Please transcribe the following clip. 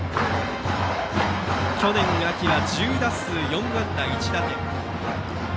去年秋は１０打数４安打１打点。